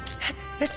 えっ？